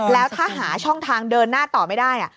แล้วถ้าหาช่องทางเดินหน้าต่อไม่ได้